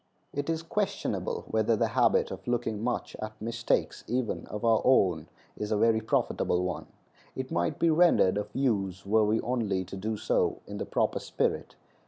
It is questionable whether the habit of looking much at mistakes, even of our own, is a very profitable one. It might be rendered of use were we only to do so in the proper spirit.